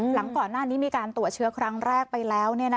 หลังก่อนหน้านี้มีการตรวจเชื้อครั้งแรกไปแล้ว